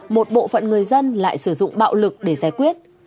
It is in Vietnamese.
một bộ phận người dân lại sử dụng bạo lực để giải quyết